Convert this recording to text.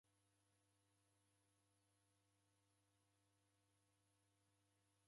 W'alaghashire w'ana w'aw'i ngelo elwa.